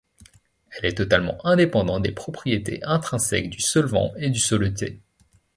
Elle est totalement indépendante des propriétés intrinsèques du solvant et du soluté.